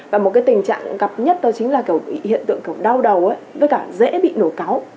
và một cái tình trạng gặp nhất đó chính là kiểu hiện tượng kiểu đau đầu ấy với cả dễ bị nổ cáu